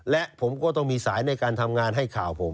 และผมก็ต้องมีสายในการทำงานให้ข่าวผม